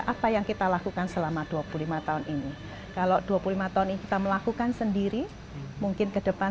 apa yang kita lakukan selama dua puluh lima tahun ini kalau dua puluh lima tahun ini kita melakukan sendiri mungkin ke depan